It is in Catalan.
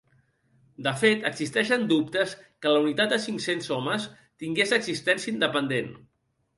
De fet existeixen dubtes que la unitat de cinc-cents homes tingués existència independent.